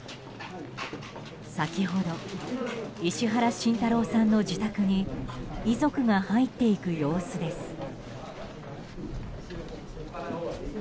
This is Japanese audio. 先ほど石原慎太郎さんの自宅に遺族が入っていく様子です。